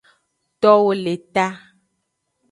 Towo le ta.